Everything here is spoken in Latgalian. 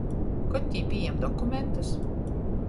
Kod tī pījam dokumentus?